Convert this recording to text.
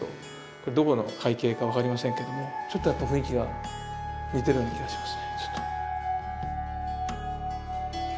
これどこの海景か分かりませんけどもちょっとやっぱ雰囲気が似てるような気がしますね。